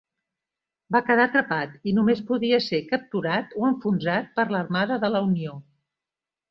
Va quedar atrapat i només podia ser capturat o enfonsat per l'Armada de la Unió.